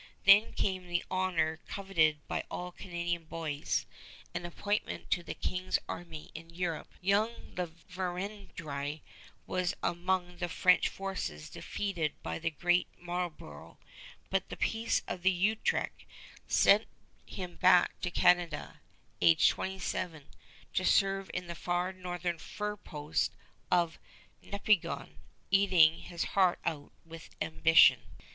Then came the honor coveted by all Canadian boys, an appointment to the King's army in Europe. Young La Vérendrye was among the French forces defeated by the great Marlborough; but the Peace of Utrecht sent him back to Canada, aged twenty seven, to serve in the far northern fur post of Nepigon, eating his heart out with ambition.